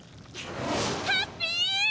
ハッピー‼